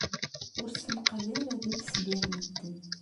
Ur ssenqad ara deg-s gar medden.